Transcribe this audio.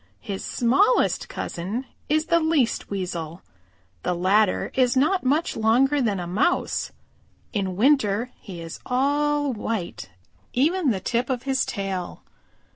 His smallest cousin is the Least Weasel. The latter is not much longer than a Mouse. In winter he is all white, even the tip of his tail.